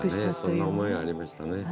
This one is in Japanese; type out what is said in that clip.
そんな思いがありましたね。